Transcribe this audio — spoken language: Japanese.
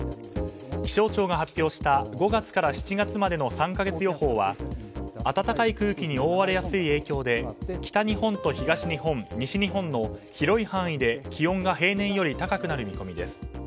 気象庁が発表した５月から７月までの３か月予報は暖かい空気に覆われやすい影響で北日本と東日本西日本の広い範囲で気温が平年より高くなる見込みです。